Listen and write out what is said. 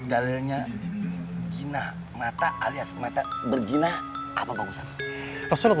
hal halnya zinah mata alias mata berzinah apa bang ustadz